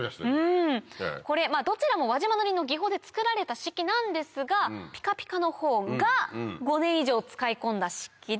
これどちらも輪島塗の技法で作られた漆器なんですがピカピカのほうが５年以上使い込んだ漆器で。